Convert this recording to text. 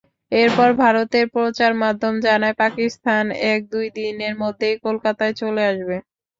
এরপর ভারতের প্রচারমাধ্যম জানায়, পাকিস্তান এক-দুই দিনের মধ্যেই কলকাতায় চলে আসবে।